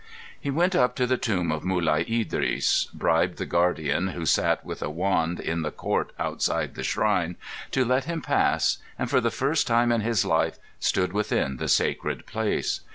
He went up to the tomb of Mulai Idris, bribed the guardian, who sat with a wand in the court outside the shrine, to let him pass, and for the first time in his life stood within the sacred place.